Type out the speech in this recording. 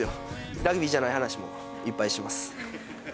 ラグビーじゃない話もいっぱいします。